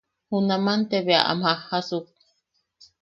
Junaman te bea am jajjasuk.